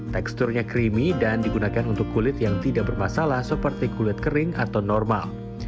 teksturnya creamy dan digunakan untuk kulit yang tidak bermasalah seperti kulit kering atau normal